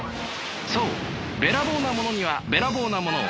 そうべらぼうなものにはべらぼうなものを。